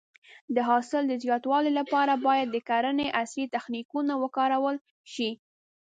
د حاصل د زیاتوالي لپاره باید د کرنې عصري تخنیکونه وکارول شي.